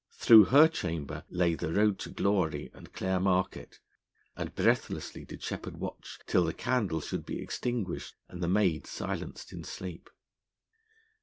Through her chamber lay the road to glory and Clare Market, and breathlessly did Sheppard watch till the candle should be extinguished and the maid silenced in sleep.